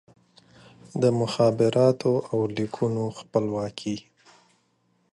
د مخابراتو او لیکونو خپلواکي